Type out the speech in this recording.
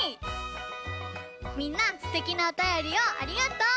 みんなすてきなおたよりをありがとう！